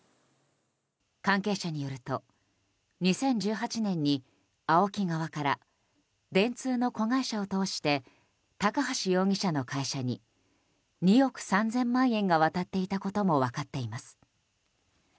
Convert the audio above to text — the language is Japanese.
関係者によると２０１８年にＡＯＫＩ側から電通の子会社を通して高橋容疑者の会社に２億３０００万円が渡っていたことも分かっています。